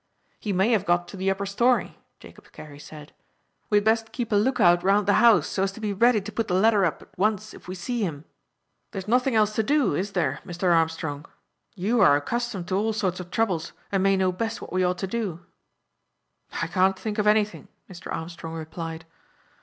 "He may have got to the upper storey," Jacob Carey said. "We had best keep a look out round the house, so as to be ready to put the ladder up at once if we see him. There is nothing else to do, is there, Mr. Armstrong? You are accustomed to all sorts of troubles, and may know best what we ought to do." "I can't think of anything," Mr. Armstrong replied.